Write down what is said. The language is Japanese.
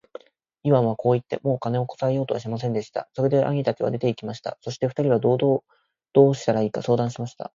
イワンはこう言って、もう金をこさえようとはしませんでした。それで兄たちは出て行きました。そして二人は道々どうしたらいいか相談しました。